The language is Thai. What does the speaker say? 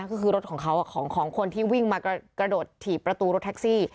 ก็คือรถของเขาของคนที่วิ่งมากระโดดถีบประตูรถแท็กซี่